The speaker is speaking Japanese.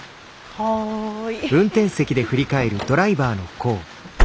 はい。